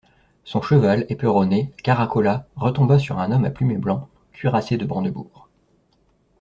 Son cheval, éperonné, caracola, retomba sur un homme à plumet blanc, cuirassé de brandebourgs.